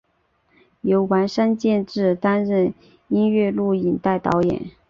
由丸山健志担任音乐录影带导演。